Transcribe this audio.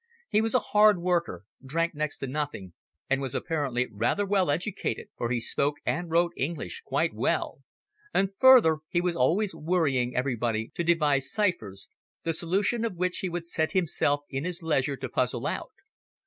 He was a hard worker, drank next to nothing, and was apparently rather well educated, for he spoke and wrote English quite well, and further he was always worrying everybody to devise ciphers, the solution of which he would set himself in his leisure to puzzle out.